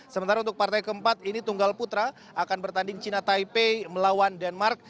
sementara untuk partai keempat ini tunggal putra akan bertanding cina taipei melawan denmark